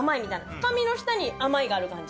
深みの下に甘いがある感じ。